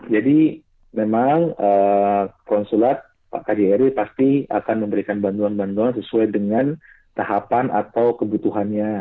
jadi memang konsulat pak kjri pasti akan memberikan bantuan bantuan sesuai dengan tahapan atau kebutuhannya